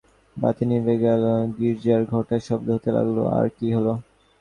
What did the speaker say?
বাতি নিভে গেল, গির্জার ঘন্টার শব্দ হতে লাগল, আর কী হল?